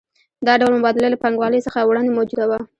دا ډول مبادله له پانګوالۍ څخه وړاندې موجوده وه